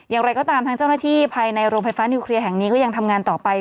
อย่างไรก็ตามทางเจ้าหน้าที่ภายในโรงไฟฟ้านิวเคลียร์แห่งนี้ก็ยังทำงานต่อไป